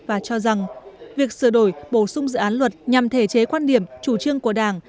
và cho rằng việc sửa đổi bổ sung dự án luật nhằm thể chế quan điểm chủ trương của đảng